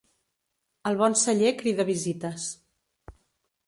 El bon celler crida visites.